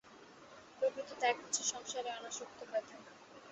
প্রকৃত ত্যাগ হচ্ছে সংসারে অনাসক্ত হয়ে থাকা।